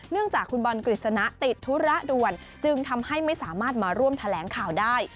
จากคุณบอลกฤษณะติดธุระด่วนจึงทำให้ไม่สามารถมาร่วมแถลงข่าวได้